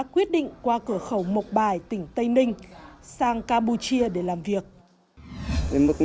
xin chào và hẹn gặp lại